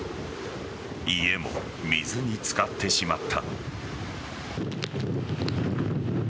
家も水につかってしまった。